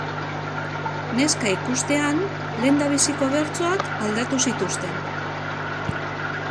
Neska ikustean lehendabiziko bertsoak aldatu zituzten.